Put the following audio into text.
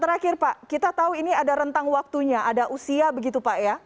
terakhir pak kita tahu ini ada rentang waktunya ada usia begitu pak ya